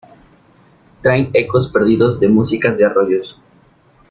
Traen ecos perdidos de músicas de arroyos.